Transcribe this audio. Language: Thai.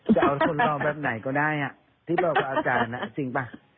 จะเอาคนรอแบบไหนก็ได้อ่ะที่เรากับอาจารย์อ่ะจริงป่ะ